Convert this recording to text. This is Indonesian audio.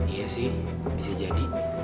iya sih bisa jadi